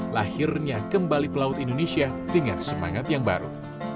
lahirnya kembali pelaut indonesia dengan semangat yang baru